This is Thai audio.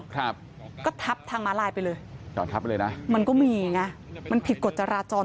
ครับก็ทับทางม้าลายไปเลยจอดทับไปเลยนะมันก็มีไงมันผิดกฎจราจร